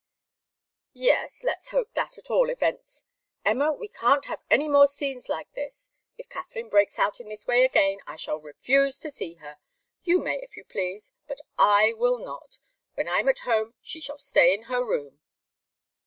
"Yes. Let's hope that, at all events. Emma, we can't have any more scenes like this. If Katharine breaks out in this way again, I shall refuse to see her. You may, if you please. But I will not. When I'm at home she shall stay in her room."